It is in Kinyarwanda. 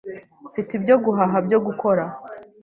Mfite ibyo guhaha byo gukora.